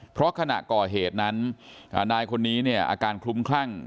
เพราะขณะก่อเหตุนั้นนายคนนี้เนี่ยอาการคลุ้มคลั่ง